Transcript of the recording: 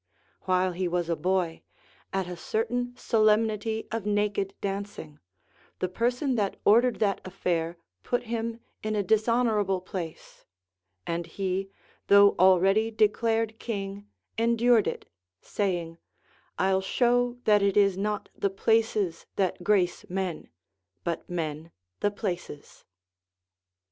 While he was a boy, at a certain solemnity of naked dancing, the person that ordered that affair put him in a dishonorable place ; and he, though already declared king, endured it, saying, 111 show that it is not the places that grace men, but men the places.